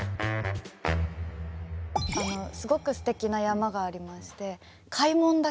すごくすてきな山がありまして開聞岳。